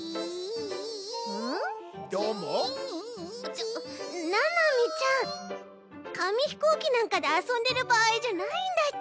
ちょななみちゃんかみひこうきなんかであそんでるばあいじゃないんだち。